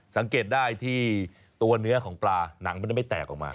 สังเกตได้ที่ตัวเนื้อของปลาหนังมันจะไม่แตกออกมา